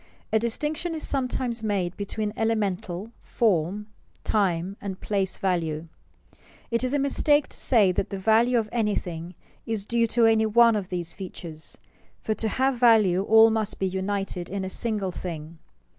_ A distinction is sometimes made between elemental, form, time, and place value. It is a mistake to say that the value of anything is due to any one of these features, for to have value all must be united in a single thing.